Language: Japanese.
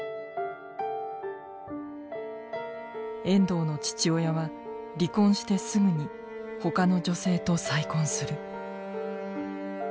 遠藤の父親は離婚してすぐに他の女性と再婚する。